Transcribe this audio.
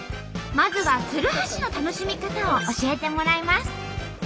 まずは鶴橋の楽しみ方を教えてもらいます。